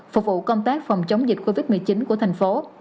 phục vụ công tác phòng chống dịch covid một mươi chín của thành phố